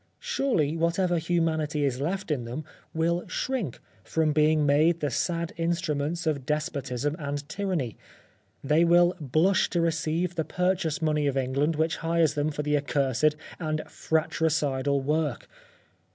Surely whatever humanity is left in them will shrink from being made the sad instruments of despotism and tyranny — they will blush to re ceive the purchase money of England which hires them for the accursed and fratricidal work.